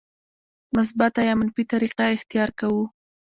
مثبته یا منفي طریقه اختیار کوو.